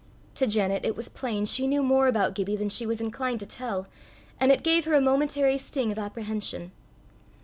To Janet it was plain she knew more about Gibbie than she was inclined to tell, and it gave her a momentary sting of apprehension.